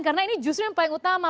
karena ini justru yang paling utama